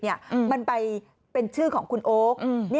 มันไปเป็นชื่อของคุณโอ๊ค